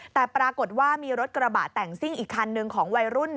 แต่ปรากฏว่ามีรถกระบะแต่งซิ่งอีกคันหนึ่งของวัยรุ่น